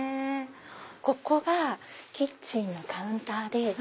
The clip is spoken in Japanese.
ここがキッチンのカウンターで。